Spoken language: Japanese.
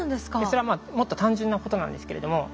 それはもっと単純なことなんですけれども。